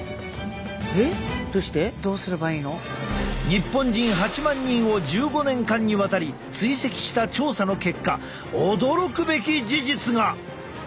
日本人８万人を１５年間にわたり追跡した調査の結果驚くべき事実が！